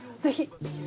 ぜひ。